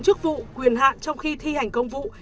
chức vụ quyền hạn trong khi thi hành công vụ